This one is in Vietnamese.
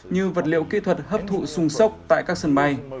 như vật liệu kỹ thuật hấp thụ sung sốc tại các sân bay